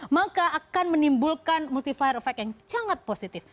maka akan menimbulkan multiplier effect yang sangat positif